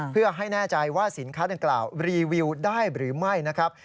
เพื่อให้แน่ใจว่าสินค้าดังกล่าวรีวิวได้หรือไม่นะครับ